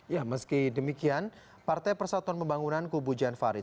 ya meski demikian partai persatuan pembangunan kubu jan farid